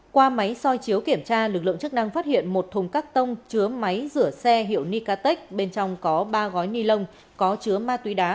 qua máy soi chiếu kiểm tra lực lượng chức năng phát hiện một thùng cắt tông chứa máy rửa xe hiệu nicatech bên trong có ba gói ni lông có chứa ma túy đá